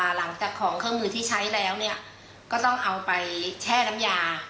หลังจากของเครื่องมือที่ใช้แล้วเนี่ยก็ต้องเอาไปแช่น้ำยา